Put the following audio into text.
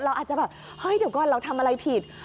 เราอาจจะแบบเฮ้ยเดี๋ยวก่อนเราทำอะไรผิด